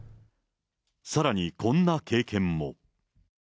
さらにこんな経験も。